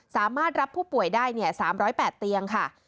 สามารถรับผู้ป่วยได้๓๐๘เตียงค่ะ